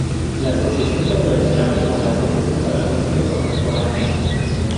La asociación se relacionaba con la Asociación para la Música Contemporánea.